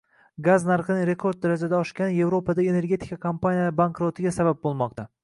Gaz narxining rekord darajada oshgani Yevropadagi energetika kompaniyalari bankrotiga sabab bo‘lmoqda